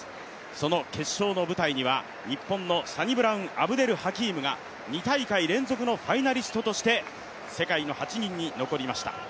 その決勝の舞台には日本のサニブラウン・アブデル・ハキームが２大会連続のファイナリストとして世界の８人に残りました。